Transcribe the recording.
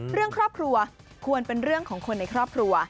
เรื่องครอบครัวควรเป็นเรื่องของคนในครอบครัว